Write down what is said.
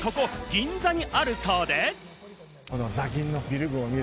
銀座にあるそうで。